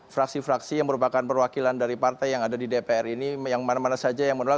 fraksi fraksi yang merupakan perwakilan dari partai yang ada di dpr ini yang mana mana saja yang menolak